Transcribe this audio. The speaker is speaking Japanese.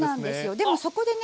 でもそこでね